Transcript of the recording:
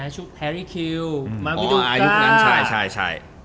ชุดแฮรี่คิวมาวิดูก้า